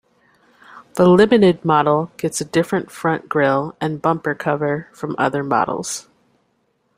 The Limited model gets a different front grille and bumper cover from other models.